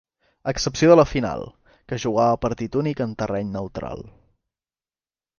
A excepció de la final, que es jugava a partit únic en terreny neutral.